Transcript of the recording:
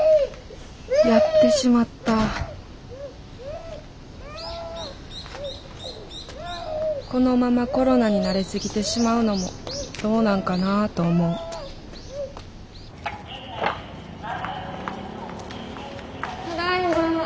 やってしまったこのままコロナに慣れすぎてしまうのもどうなんかなあと思うただいま。